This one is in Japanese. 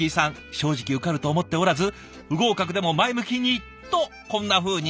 正直受かると思っておらず不合格でも前向きにとこんなふうに。